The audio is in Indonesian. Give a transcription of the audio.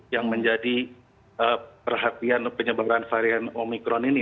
yang menjadi perhatian penyebaran varian omikron ini